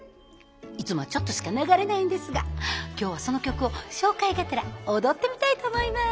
いつもはちょっとしか流れないんですが今日はその曲を紹介がてら踊ってみたいと思います。